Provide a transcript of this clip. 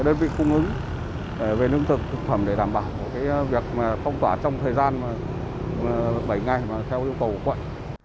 chúng tôi đã cung ứng về lương thực thực phẩm để đảm bảo việc phong tỏa trong thời gian bảy ngày theo nhu cầu của quận